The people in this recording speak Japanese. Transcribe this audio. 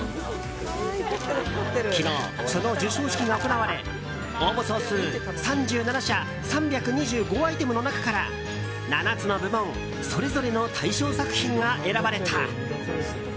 昨日、その授賞式が行われ応募総数３７社、３２５アイテムの中から７つの部門それぞれの対象作品が選ばれた。